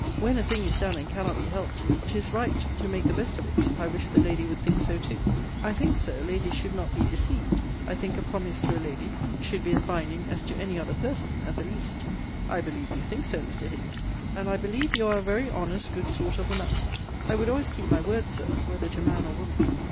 When a thing is done, and cannot be helped, 'tis right to make the best of it. I wish the lady would think so too. I think, Sir, ladies should not be deceived. I think a promise to a lady should be as binding as to any other person, at the least. I believe you think so, Mr. Hickman: and I believe you are a very honest, good sort of a man. I would always keep my word, Sir, whether to man or woman.